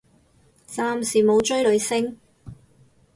暫時冇追女星